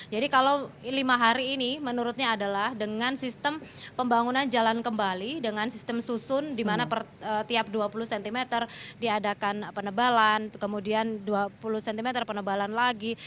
jadi kalau lima hari ini menurutnya adalah dengan sistem pembangunan jalan kembali dengan sistem susun dimana tiap dua puluh cm diadakan penebalan kemudian dua puluh cm penebalan lagi